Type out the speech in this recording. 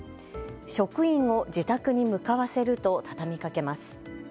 職員を自宅に向かわせると畳みかけます。